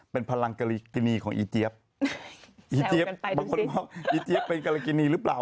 เป็นพลังกริงีของอีเจฟแสวกันไปดูสิเป็นกริงีหรือเปล่า